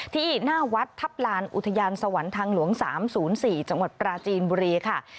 ที่หน้าวัดทัพลานอุทยานสวรรค์ทางหลวง๓๐๔จังหวัดปราจีนบุรีค่ะ